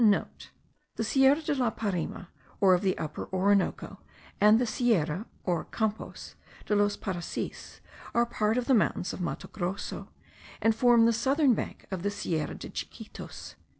*(* The Sierra de la Parime, or of the Upper Orinoco, and the Sierra (or Campos) dos Parecis, are part of the mountains of Matto Grosso, and form the northern back of the Sierra de Chiquitos.